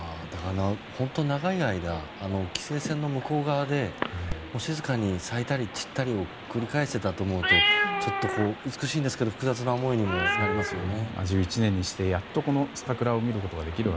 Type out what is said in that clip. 本当に長い間規制線の向こう側で静かに咲いたりちったり繰り返していたと思うと美しいんですけど複雑な思いにもなりますよね。